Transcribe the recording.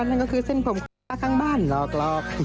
ตอบได้กลับ